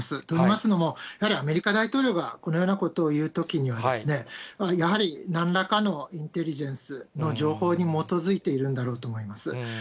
といいますのも、やはりアメリカ大統領がこのようなことを言うときには、やはりなんらかのインテリジェンスの情報に基づいているんだろうと思います。